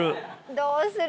どうする？